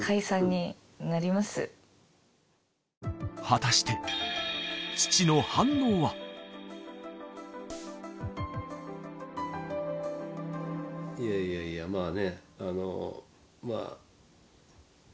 果たしていやいやいやまぁねあのまぁ。